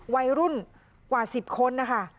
วัยรุ่นกว่า๑๐คนนะคะ